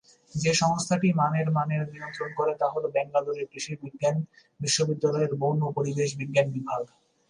যে সংস্থাটি মানের মানের নিয়ন্ত্রণ করে তা হল ব্যাঙ্গালোরের কৃষি বিজ্ঞান বিশ্ববিদ্যালয়ের বন ও পরিবেশ বিজ্ঞান বিভাগ।